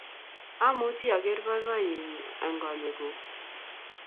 AmuchI aner boiboiyenyu eng konyekuk